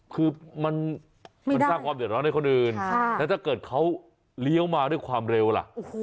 คือมันสร้างความเดือดร้อนให้คนอื่นแล้วถ้าเกิดเขาเลี้ยวมาด้วยความเร็วล่ะ